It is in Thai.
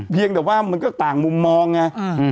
เพียงแต่ว่ามันก็ต่างมุมมองไง